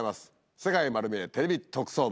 『世界まる見え！テレビ特捜部』